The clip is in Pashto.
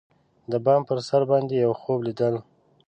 د بام پر سر باندی یوخوب لیدل